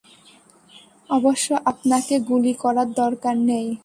অবশ্য, আপনাকে গুলি করার দরকার নেই।